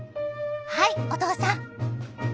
はいお父さん。